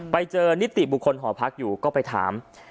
ไปเจอนิติบุคคลหอพักอยู่ก็ไปถาม